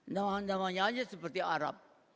namanya aja seperti arab